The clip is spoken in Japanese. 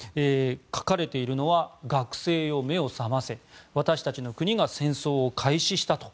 書かれているのは学生よ、目を覚ませ私たちの国が戦争を開始したと。